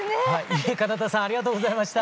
伊礼彼方さんありがとうございました。